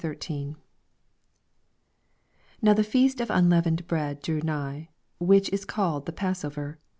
1 Now the feast of unleavened bread drew nigh, which is called the Passover.